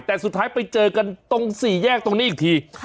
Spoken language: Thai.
แต่สุดท้ายไปเจอกันตรงสี่แยกตรงนี้อีกที